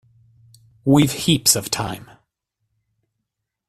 We've heaps of time.